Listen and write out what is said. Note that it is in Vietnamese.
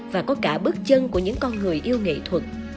và có cả bước chân của những con người yêu nghệ thuật